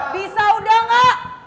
bisa udah gak